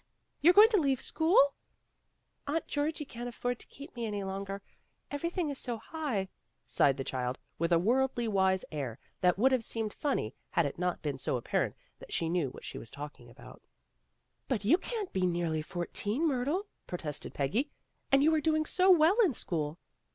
You're going to leave school?" "Aunt Georgie can't afford to keep me any longer. Everything is so high," sighed the child, with a worldly wise air that would have seemed funny had it not been so apparent that she knew what she was talking about. 104 PEGGY RAYMOND'S WAY "But you can't be nearly fourteen, Myrtle," protested Peggy. "And you were doing so well in school.'